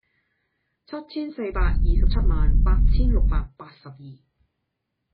七千四百二十七萬八千六百八十二